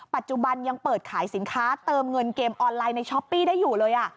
ปัจจุบันยังเปิดขายสินค้าเติมเงินเกมออนไลน์ในช้อปปี้ได้อยู่เลย